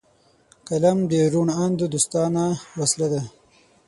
قلم د روڼ اندو دوستانه وسله ده